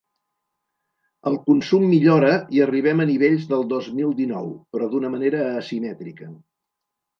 El consum millora i arribem a nivells del dos mil dinou, però d’una manera asimètrica.